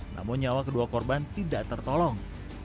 namun nyawa kedua korban tidak tertolong